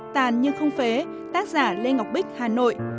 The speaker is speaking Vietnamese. tàn nhưng không phế tác giả lê ngọc bích hà nội